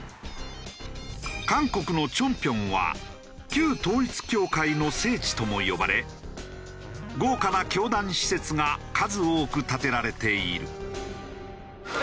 韓国のチョンピョンは旧統一教会の聖地とも呼ばれ豪華な教団施設が数多く建てられている。